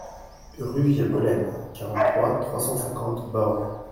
Rue Via Bolen, quarante-trois, trois cent cinquante Borne